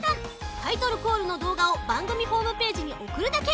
タイトルコールのどうがをばんぐみホームページにおくるだけ。